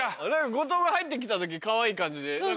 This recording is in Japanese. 後藤が入って来た時かわいい感じで。